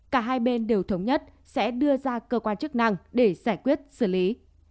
cả hai bên đều thống nhất sẽ đưa ra cơ quan chức năng để giải quyết xử lý